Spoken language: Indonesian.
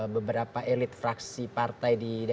beberapa elit fraksi yang berada di dalam era apbn gitu ya